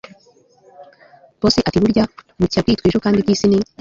Boss atiburya bucya bwitwa ejo kandi ibyisi ni